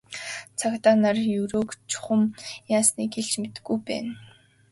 Цагдаа нар Ерөөг чухам яасныг хэлж мэдэхгүй байна.